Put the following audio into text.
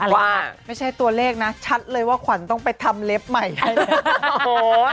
ว่าไม่ใช่ตัวเลขนะชัดเลยว่าขวัญต้องไปทำเล็บใหม่ให้แล้ว